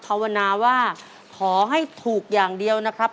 ภาวนาว่าขอให้ถูกอย่างเดียวนะครับ